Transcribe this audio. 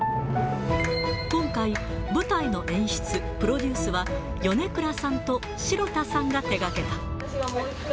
今回、舞台の演出・プロデュースは、米倉さんと城田さんが手がけ私がもう一回。